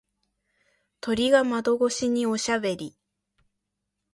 鳥が窓越しにおしゃべり。